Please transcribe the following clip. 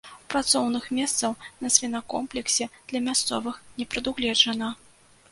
Працоўных месцаў на свінакомплексе для мясцовых не прадугледжана.